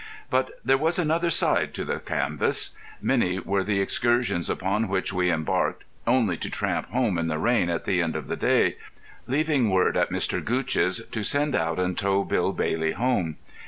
But there was another side to the canvas. Many were the excursions upon which we embarked, only to tramp home in the rain at the end of the day, leaving word at Mr. Gootch's to send out and tow Bill Bailey home.